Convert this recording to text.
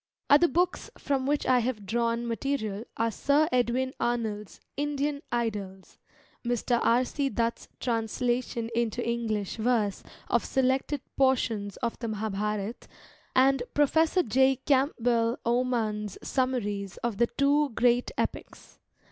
Other books from which I have drawn material are Sir Edwin Arnold's Indian Idylls, Mr. R. C. Dutt's translation into English verse of selected portions of the Mahabharata, and Professor J. Camp bell Oman's summaries of the two great epics.